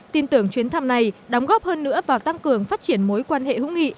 tin tưởng chuyến thăm này đóng góp hơn nữa vào tăng cường phát triển mối quan hệ hữu nghị